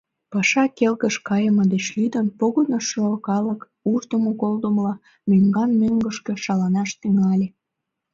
Паша келгыш кайыме деч лӱдын, погынышо калык уждымо-колдымыла мӧҥган-мӧҥгышкӧ шаланаш тӱҥале.